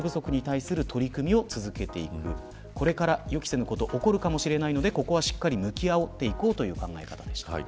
これから予期せぬのこと起こるかもしれないのでここはしっかり向き合っていこうという考え方でした。